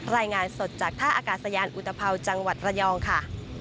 รายงานสดจากท่าอากาศยานอุตภัวจังหวัดระยองค่ะ